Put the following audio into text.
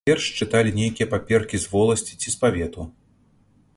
Перш чыталі нейкія паперкі з воласці ці з павету.